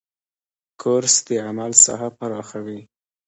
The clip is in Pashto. کورس د عمل ساحه پراخوي.